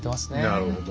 なるほど。